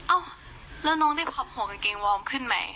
เอ้าแล้วน้องได้พับหัวกางเกงวอร์มขึ้นไหม